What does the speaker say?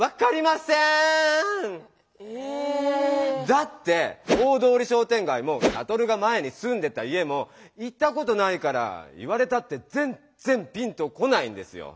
だって大通りしょうてんがいもサトルが前にすんでた家も行ったことないから言われたってぜんぜんピンと来ないんですよ。